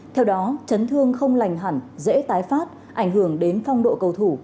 theo đó chấn thương không lành hẳn dễ tái phát ảnh hưởng đến phong độ cầu thủ